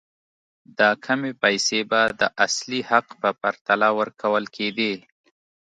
دا کمې پیسې به د اصلي حق په پرتله ورکول کېدې.